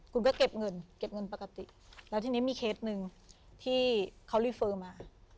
คุณก็เก็บเงินเก็บเงินปกติแล้วทีนี้มีเคสหนึ่งที่เขารีเฟอร์มา